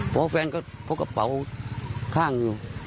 เพราะว่าแฟนก็พกกระเป๋าข้างอยู่